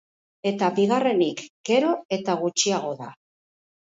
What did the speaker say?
Eta bigarrenik, gero eta gutxiago da.